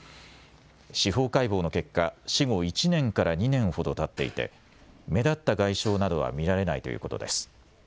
司法解剖の結果、死後１年から２年ほどたっていて目立った外傷などは見られないということです。